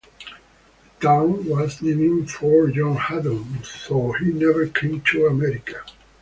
The town was named for John Haddon, though he never came to America.